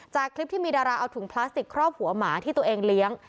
คลิปที่มีดาราเอาถุงพลาสติกครอบหัวหมาที่ตัวเองเลี้ยง